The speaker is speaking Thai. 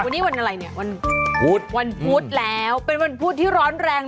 วันนี้วันอะไรเนี่ยวันพุธวันพุธแล้วเป็นวันพุธที่ร้อนแรง